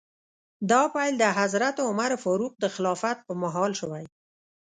دا پیل د حضرت عمر فاروق د خلافت په مهال شوی.